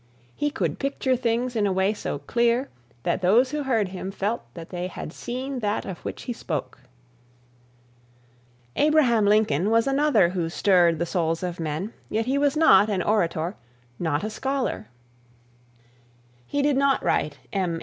He could picture things in a way so clear that those who heard him felt that they had seen that of which he spoke. Abraham Lincoln was another who stirred the souls of men, yet he was not an orator, not a scholar; he did not write M.